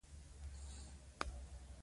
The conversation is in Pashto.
دا د حقیقت لاره ده.